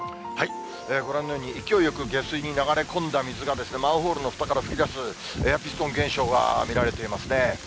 ご覧のように、勢いよく下水に流れ込んだ水が、マンホールのふたから噴き出す、エアピストン現象が見られていますね。